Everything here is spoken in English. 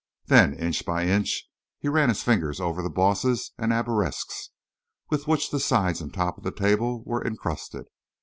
Then, inch by inch, he ran his fingers over the bosses and arabesques with which the sides and top of the table were incrusted.